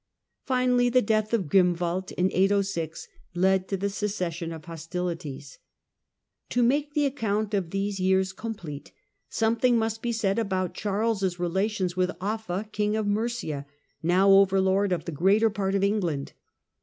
Finally the death of Grim wald, in 806, led to the secession of hostilities. Charles To make the account of these years complete, soi la thing must be said about Charles' relations with Oll'a, king of Mercia, now overlord of the greater part of England.